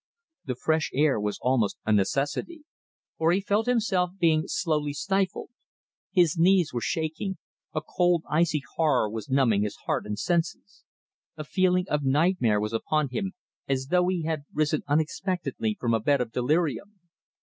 The fresh air was almost a necessity, for he felt himself being slowly stifled. His knees were shaking, a cold icy horror was numbing his heart and senses. A feeling of nightmare was upon him, as though he had risen unexpectedly from a bed of delirium.